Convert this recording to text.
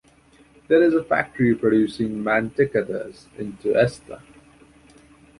There is a factory producing mantecadas in Tuesta.